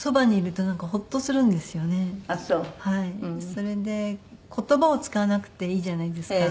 それで言葉を使わなくていいじゃないですか。